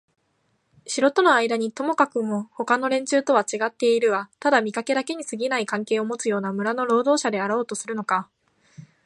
城とのあいだにともかくもほかの連中とはちがってはいるがただ見かけだけにすぎない関係をもつような村の労働者であろうとするのか、